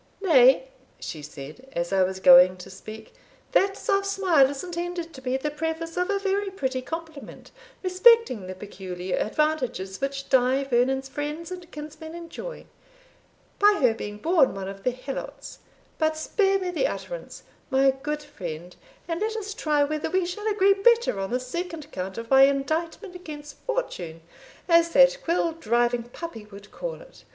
Nay," she said, as I was going to speak, "that soft smile is intended to be the preface of a very pretty compliment respecting the peculiar advantages which Die Vernon's friends and kinsmen enjoy, by her being born one of their Helots; but spare me the utterance, my good friend, and let us try whether we shall agree better on the second count of my indictment against fortune, as that quill driving puppy would call it.